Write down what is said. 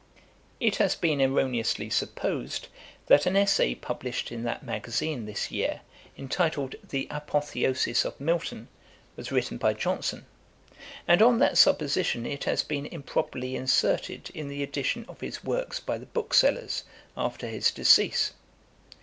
'[*] It has been erroneously supposed, that an Essay published in that Magazine this year, entitled 'The Apotheosis of Milton,' was written by Johnson; and on that supposition it has been improperly inserted in the edition of his works by the Booksellers, after his decease.